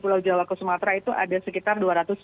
pulau jawa ke sumatera itu ada sekitar